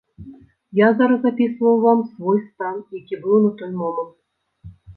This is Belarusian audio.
Я зараз апісваў вам свой стан, які быў на той момант.